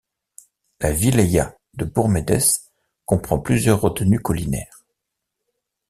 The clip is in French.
La wilaya de Boumerdès comprend plusieurs retenues collinaires.